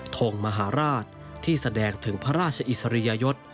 ทงมหาราชที่แสดงถึงพระราชอิสริยยศ